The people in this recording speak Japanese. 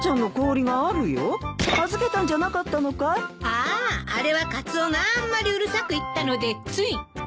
あああれはカツオがあんまりうるさく言ったのでつい。